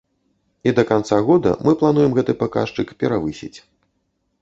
І да канца года мы плануем гэты паказчык перавысіць.